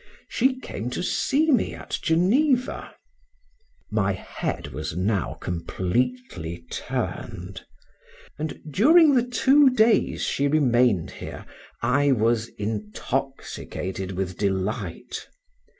She came to see me at Geneva. My head was now completely turned; and during the two days she remained here, I was intoxicated with delight.